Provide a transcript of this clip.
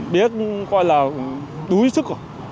bía coi là đuối sức rồi